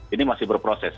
ini masih berproses